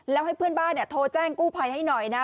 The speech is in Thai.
แล้วให้เพื่อนบ้านโทรแจ้งกู้ภัยให้หน่อยนะ